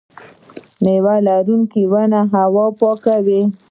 میوه لرونکې ونې هوا پاکوي.